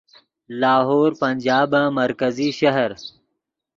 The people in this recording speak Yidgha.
لاہور پنجابن مرکزی شہر